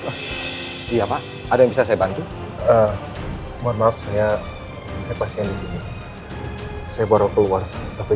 apa apa apa iya pak ada bisa saya bantu mohon maaf saya saya pasien disini saya baru keluar tapi